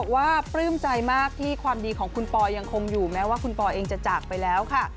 ปลื้มใจมากที่ความดีของคุณปอยังคงอยู่แม้ว่าคุณปอเองจะจากไปแล้วค่ะ